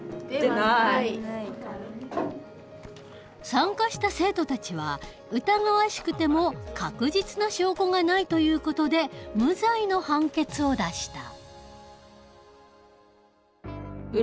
参加した生徒たちは疑わしくても確実な証拠がないという事で無罪の判決を出した。